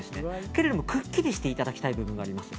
けれどもくっきりしていただきたい部分があります。